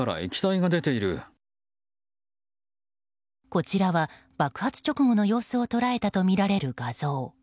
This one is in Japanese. こちらは、爆発直後の様子を捉えたとみられる画像。